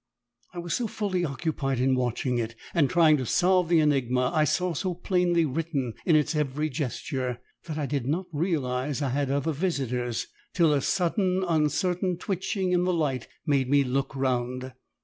I was so fully occupied in watching it and trying to solve the enigma I saw so plainly written in its every gesture, that I did not realise I had other visitors, till a sudden uncertain twitching in the light made me look round.